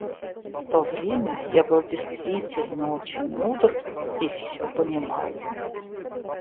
В то время я был действительно очень мудр и всё понимал.